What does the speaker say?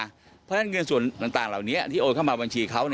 เพราะฉะนั้นเงินส่วนต่างเหล่านี้ที่โอนเข้ามาบัญชีเขา